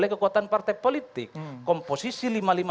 kekuatan partai politik komposisi